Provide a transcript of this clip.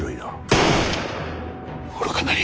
愚かなり。